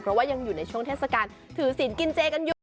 เพราะว่ายังอยู่ในช่วงเทศกาลถือศีลกินเจกันอยู่